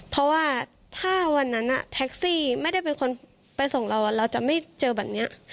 เพราะว่าถ้าวันนั้นแท็กซี่ไม่ได้เป็นคนไปส่งเราเราจะไม่เจอแบบนี้